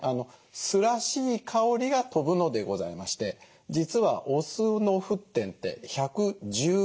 酢らしい香りが飛ぶのでございまして実はお酢の沸点って１１８度でございます。